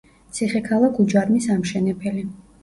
ციხე-ქალაქ უჯარმის ამშენებელი.